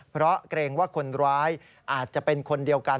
เพราะเกรงว่าคนร้ายอาจจะเป็นคนเดียวกัน